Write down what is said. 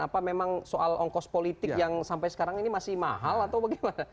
apa memang soal ongkos politik yang sampai sekarang ini masih mahal atau bagaimana